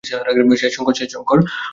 শেষ, শঙ্কর।